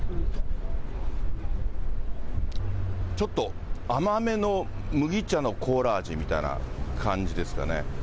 ちょっと甘めの麦茶のコーラ味みたいな感じですかね。